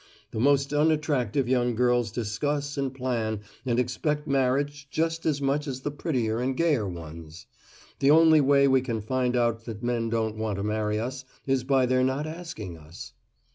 The most unattractive young girls discuss and plan and expect marriage just as much as the prettier and gayer ones. The only way we can find out that men don't want to marry us is by their not asking us.